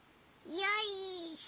よいしょ。